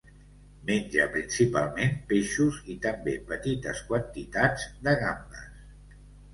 Menja principalment peixos i, també, petites quantitats de gambes.